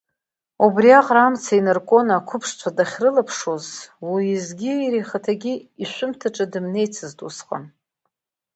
Убриаҟара амца инаркуан ақәыԥшцәа дахьрылаԥшуаз, уезгьы иара ихаҭагьы ишәымҭаҿы дымнеицызт усҟан.